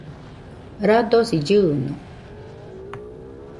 radosi llɨɨno